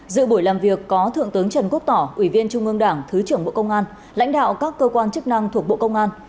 dự buổi làm việc có thượng tướng trần quốc tỏ ủy viên trung ương đảng thứ trưởng bộ công an lãnh đạo các cơ quan chức năng thuộc bộ công an